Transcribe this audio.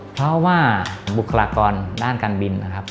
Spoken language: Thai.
เพราะว่าบุคลากรด้านการบินนะครับ